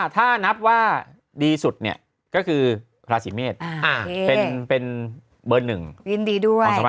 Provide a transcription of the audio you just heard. ถ้านับว่าดีสุดเนี่ยก็คือราศีเมศเป็นเบอร์๑ของสมัคร๕๖๖นี่เลย